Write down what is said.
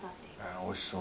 おいしそう。